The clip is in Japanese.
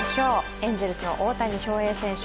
エンゼルスの大谷翔平選手。